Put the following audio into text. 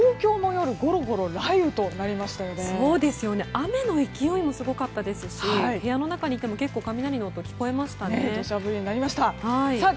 雨の勢いもすごかったですし部屋の中にいても雷の音が聞こえましたね。